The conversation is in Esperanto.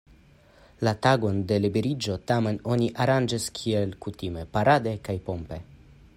La tagon de liberiĝo, tamen, oni aranĝis kiel kutime parade kaj pompe.